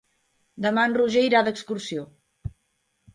Demà en Roger irà d'excursió.